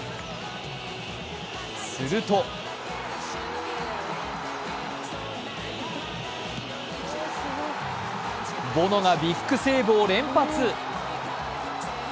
するとボノがビッグセーブを連発。